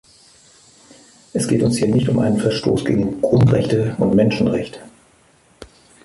Es geht uns hier nicht um einen Verstoß gegen Grundrechte und Menschenrechte.